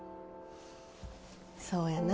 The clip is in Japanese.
そうやな。